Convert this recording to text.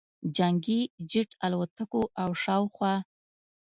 جنګي جټ الوتکو او شاوخوا